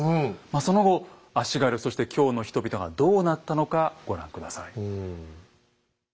その後足軽そして京の人々がどうなったのかご覧下さい。